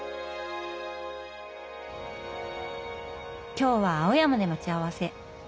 今日は青山で待ち合わせ。